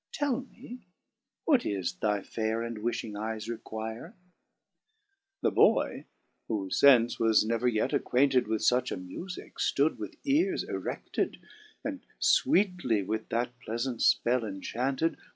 Tell me, what ifl: thy faire and wifhing eyes require ?*' 5 The boy, (whofe fence was never yet acquainted With fuch a mufique,) flood with eares areAed, And, fweetly with that pleafant fpell enchanted.